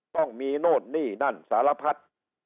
ต้องมีโน่นนี่นั่นสารพัด